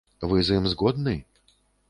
Вы з ім згодны?